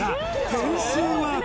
点数は？